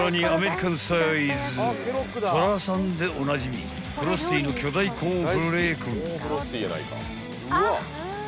トラさんでおなじみフロスティの巨大コーンフレーク］